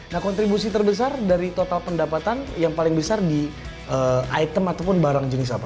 nah kontribusi terbesar dari total pendapatan yang paling besar di item ataupun barang jenis apa